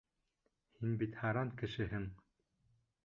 Һин бит һаран кешеһең.